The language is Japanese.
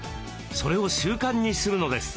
それを習慣にするのです。